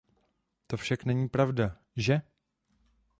To však není pravda, že?